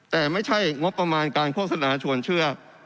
แต่ไม่ใช่งบประมาณการโฆษณาชวนเชื่อ